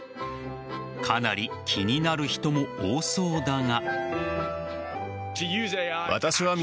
かなり気になる人も多そうだが。